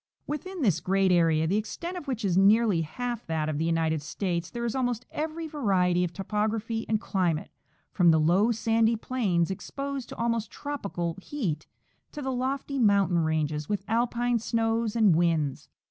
169 Within this great area, the extent of which is nearly half that of the United States, there is almost every variety of topography and climate, from the low sandy plains exposed to almost tropical heat to the lofty mountain ranges with alpine snows and winds.